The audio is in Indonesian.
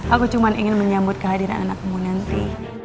aku cuma ingin menyambut kehadiran anak kamu nanti